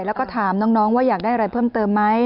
แล้วก็ถามน้องว่าอยากได้อะไรเพิ่มเติมไหม